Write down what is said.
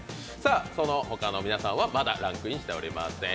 その他の皆さんはまだランクインしておりません。